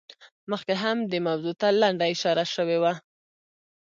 مخکې هم دې موضوع ته لنډه اشاره شوې وه.